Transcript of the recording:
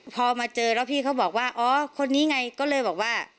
พอมาเจอแล้วพี่เขาบอกว่าอ๋อคนนี้ไงก็เลยบอกว่า